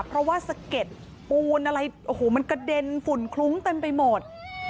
เพราะว่าสะเก็ดปูนอะไรโอ้โหมันกระเด็นฝุ่นคลุ้งเต็มไปหมด